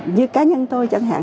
như cá nhân tôi chẳng hạn